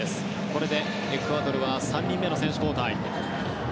これでエクアドルは３人目の選手交代。